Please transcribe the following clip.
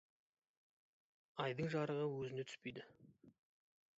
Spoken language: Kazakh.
Айдың жарығы өзіне түспейді.